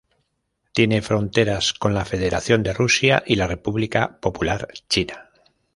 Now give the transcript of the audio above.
Tiene fronteras con la Federación de Rusia y la República Popular China.